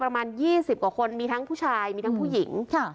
ประมาณ๒๐กว่าคนมีทั้งผู้ชายมีทั้งผู้หญิง